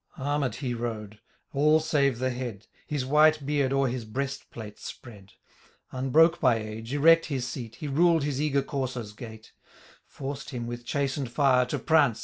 Armed he rode, all save the head. His white beard o'er his breast plate spread ; Unbroke by age, erect his seat. He ruled his eager courser's gait ; Forced him, with chasten'd fire, to prance.